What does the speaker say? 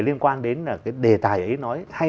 liên quan đến là cái đề tài ấy nói hay